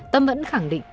tâm vẫn khẳng định